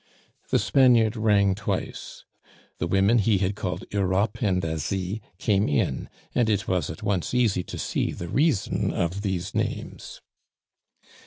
The Spaniard rang twice. The women he had called Europe and Asie came in, and it was at once easy to see the reason of these names.